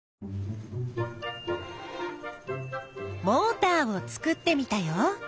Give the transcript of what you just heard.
モーターを作ってみたよ。